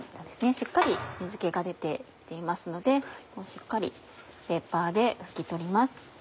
しっかり水気が出て来ていますのでしっかりペーパーで拭き取ります。